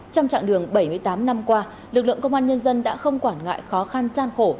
trong trạng đường bảy mươi tám năm qua lực lượng công an nhân dân đã không quản ngại khó khăn gian khổ